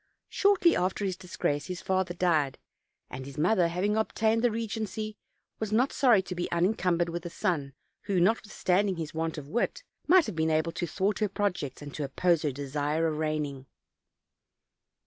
Shortly after his disgrace his father died; and his mother, hav ing obtained the regency, was not sorry to be unincum bered with a son, who, notwithstanding his want of wit, might have been able to thwart her projects, and to oppose her desire of reigning.